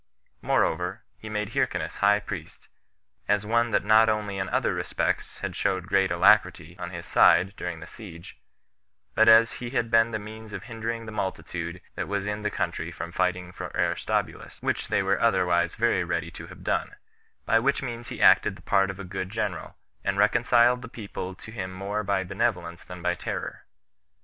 Moreover, he made Hyrcanus high priest, as one that not only in other respects had showed great alacrity, on his side, during the siege, but as he had been the means of hindering the multitude that was in the country from fighting for Aristobulus, which they were otherwise very ready to have done; by which means he acted the part of a good general, and reconciled the people to him more by benevolence than by terror.